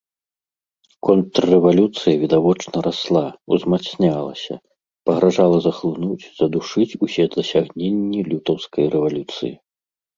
Контррэвалюцыя відочна расла, узмацнялася, пагражала захлынуць, задушыць усе дасягненні лютаўскай рэвалюцыі.